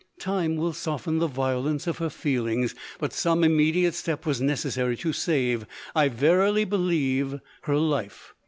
Time will soften the violence of her feelings, but some im mediate step was necessary to save, I verily be lieve, her life.